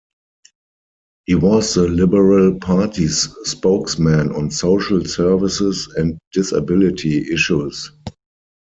He was the Liberal Party's spokesman on social services and disability issues.